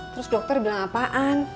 terus dokter bilang apaan